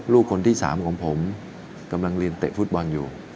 ลูกคนที่๓ของผมกำลังเรียนเตะฟุตบอลอยู่